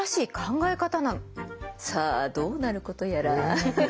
さあどうなることやら。